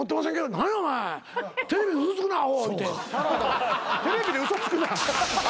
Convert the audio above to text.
「テレビで嘘つくな」